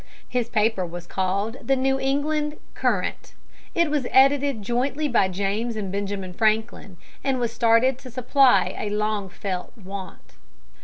His paper was called the New England Courant. It was edited jointly by James and Benjamin Franklin, and was started to supply a long felt want.